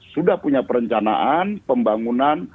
sudah punya perencanaan pembangunan